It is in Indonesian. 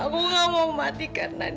aku gak mau mati karena dia